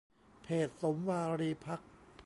เพจสมวารีพักตร์